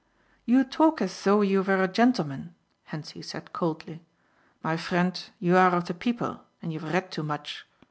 "You talk as though you were a gentleman," Hentzi said coldly. "My friend you are of the people and you have read too much.